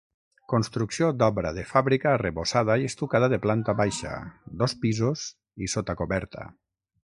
Construcció d'obra de fàbrica arrebossada i estucada de planta baixa, dos pisos i sota coberta.